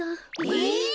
えっ！？